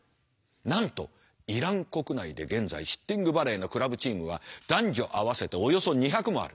なんとイラン国内で現在シッティングバレーのクラブチームは男女合わせておよそ２００もある。